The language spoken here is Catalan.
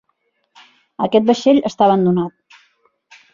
Aquest vaixell està abandonat.